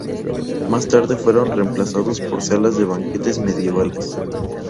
Más tarde fueron reemplazados por salas de banquetes medievales.